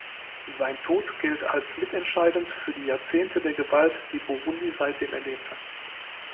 Sein Tod gilt als mitentscheidend für die Jahrzehnte der Gewalt, die Burundi seitdem erlebte.